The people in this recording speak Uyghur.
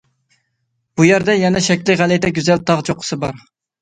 بۇ يەردە يەنە شەكلى غەلىتە، گۈزەل تاغ چوققىسى بار.